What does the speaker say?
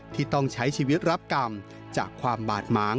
ที่ต้องใช้ชีวิตรับกรรมจากความบาดหมาง